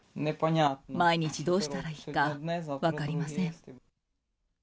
毎日、どうしたらいいか、分かりません。